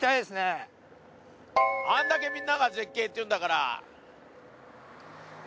あんだけみんなが絶景って言うんだから。